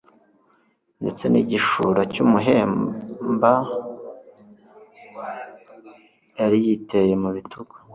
ndetse n'igishura cy'umuhemba yari yiteye mu bitugu